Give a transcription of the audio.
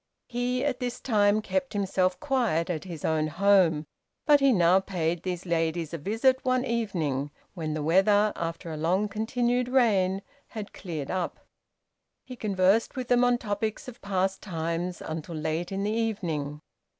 He, at this time, kept himself quiet at his own home, but he now paid these ladies a visit one evening, when the weather, after a long continued rain, had cleared up. He conversed with them on topics of past times until late in the evening.